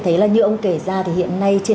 thấy là như ông kể ra thì hiện nay trên